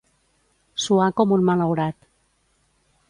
Suar com un malaurat.